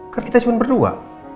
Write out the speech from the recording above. kan kita cuman berdua